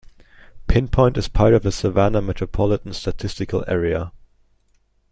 Pin Point is part of the Savannah Metropolitan Statistical Area.